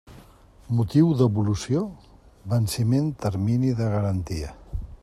Motiu devolució: venciment termini de garantia.